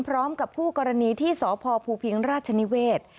พร้อมกับคู่กรณีที่สพภูพิงราชนิเวศ